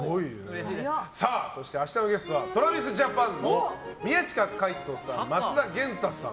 そして、明日のゲストはＴｒａｖｉｓＪａｐａｎの宮近海斗さん、松田元太さん